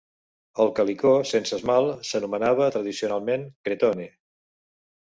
El calicó sense esmalt s'anomenava tradicionalment "cretonne".